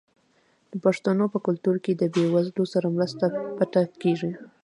د پښتنو په کلتور کې د بې وزلو سره مرسته پټه کیږي.